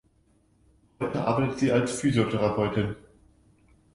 Heute arbeitet sie als Physiotherapeutin.